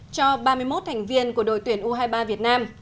cho ba mươi một thành viên của đội tuyển u hai mươi ba việt nam